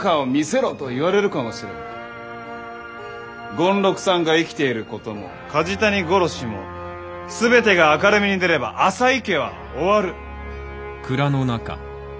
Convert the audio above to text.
権六さんが生きていることも梶谷殺しも全てが明るみに出れば浅井家は終わる。